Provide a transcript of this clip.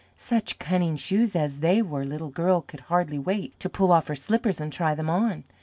Such cunning Shoes as they were Little Girl could hardly wait to pull off her slippers and try them on.